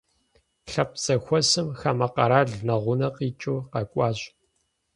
Лъэпкъ зэхуэсым хамэ къэрал нэгъунэ къикӏыу къэкӏуащ.